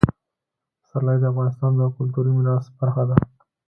پسرلی د افغانستان د کلتوري میراث برخه ده.